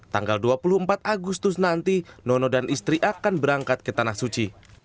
tanggal dua puluh empat agustus nanti nono dan istri akan berangkat ke tanah suci